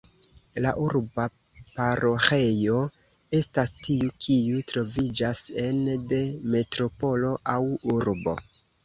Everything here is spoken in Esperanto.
La urba paroĥejo estas tiu kiu troviĝas ene de metropolo aŭ urbo.